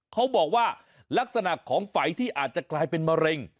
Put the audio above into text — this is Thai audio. เขาบอกว่าลักษณะของฝัยที่อาจจะกลายเป็นมะเร็ง